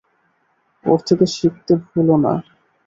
ওর থেকে শিখতে ভুলো না।